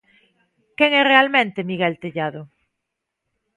Quen é realmente Miguel Tellado?